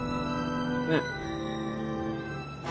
ねえ？